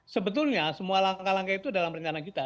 sebetulnya semua langkah langkah itu dalam rencana kita